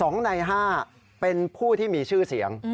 ๒ใน๕เป็นผู้ที่มีชื่อเสียง